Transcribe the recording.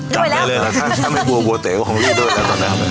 จับได้เลยถ้าไม่บัวบัวเตะก็ของรีดแล้วตอนนั้นครับ